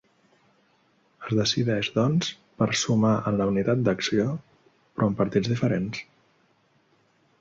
Es decideix, doncs, per ‘sumar en la unitat d’acció’ però amb partits diferents.